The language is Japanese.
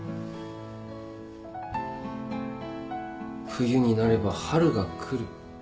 冬になれば春が来る。